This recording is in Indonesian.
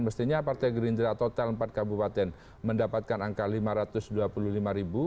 mestinya partai gerindra total empat kabupaten mendapatkan angka lima ratus dua puluh lima ribu